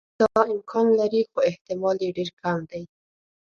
دا امکان لري خو احتمال یې ډېر کم دی.